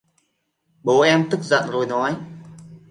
bố em tức giận rồi nói